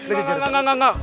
enggak enggak enggak